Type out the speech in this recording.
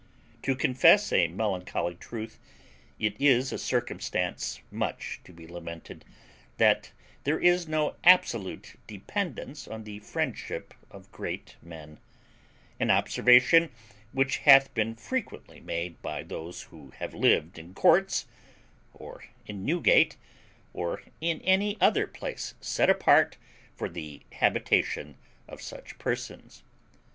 To confess a melancholy truth, it is a circumstance much to be lamented, that there is no absolute dependence on the friendship of great men; an observation which hath been frequently made by those who have lived in courts, or in Newgate, or in any other place set apart for the habitation of such persons.